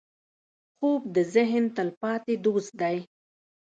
خوب د ذهن تلپاتې دوست دی